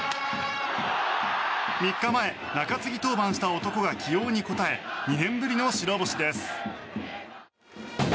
３日前、中継ぎ登板した男が起用に応え２年ぶりの白星です。